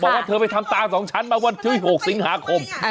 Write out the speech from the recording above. บอกว่าเธอไปทำตา๒ชั้นมาวันที่๖สิงหาคม